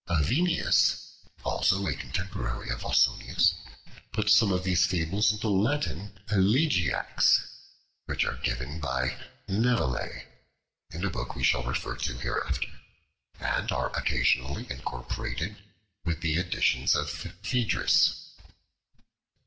Avienus, also a contemporary of Ausonius, put some of these fables into Latin elegiacs, which are given by Nevelet (in a book we shall refer to hereafter), and are occasionally incorporated with the editions of Phaedrus.